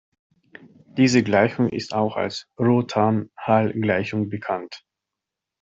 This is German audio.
Diese Gleichung ist auch als Roothaan-Hall-Gleichung bekannt.